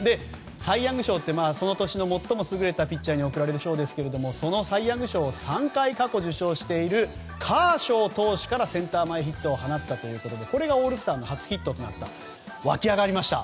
サイ・ヤング賞ってその年の最も優れたピッチャーに贈られる賞ですがその賞を３回、過去受賞しているカーショー投手からセンター前ヒットを放ったということでこれがオールスターの初ヒットとなりました。